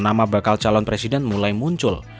nama bakal calon presiden mulai muncul